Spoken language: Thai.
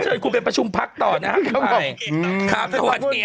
ขอเชิญคุณไปผ่าพักต่อนะครับพี่ป่าย